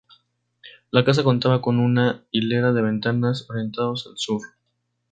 La casa contaba con una hilera de ventanales orientados al sur.